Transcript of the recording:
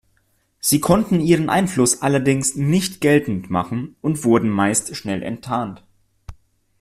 Sie konnten ihren Einfluss allerdings nicht geltend machen und wurden meist schnell enttarnt.